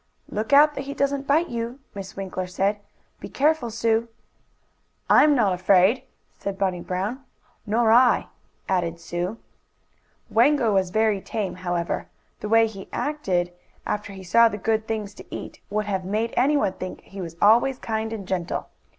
"Look out that he doesn't bite you," Miss Winkler said. "Be careful, Sue!" "I'm not afraid," said Bunny Brown. "Nor I," added Sue. Wango was very tame, however. The way he acted, after he saw the good things to eat, would have made anyone think he was always kind and gentle.